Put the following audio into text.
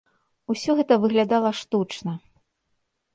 Усё гэта выглядала штучна.